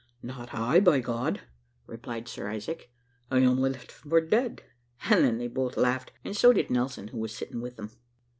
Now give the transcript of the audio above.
`Not I, by God!' replied Sir Isaac, `I only left him for dead;' and then they both laughed, and so did Nelson, who was sitting with them.